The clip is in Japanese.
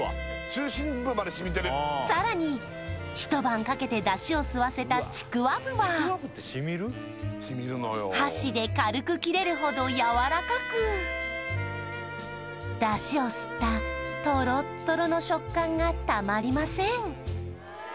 さらに一晩かけて出汁を吸わせたちくわぶは箸で軽く切れるほどやわらかく出汁を吸ったとろっとろの食感がたまりません